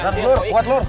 kuat lur kuat lur